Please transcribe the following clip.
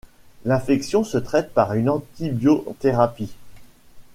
L'infection se traite par une antibiothérapie.